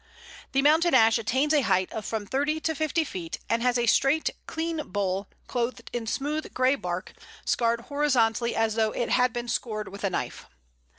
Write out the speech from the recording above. ] The Mountain Ash attains a height of from thirty to fifty feet, and has a straight clean bole, clothed in smooth grey bark, scarred horizontally as though it had been scored with a knife.